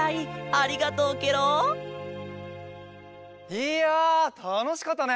いやたのしかったね。